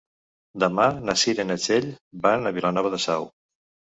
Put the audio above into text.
Demà na Cira i na Txell van a Vilanova de Sau.